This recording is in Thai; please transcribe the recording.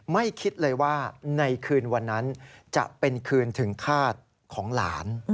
คิดเลยว่าในคืนวันนั้นจะเป็นคืนถึงฆาตของหลาน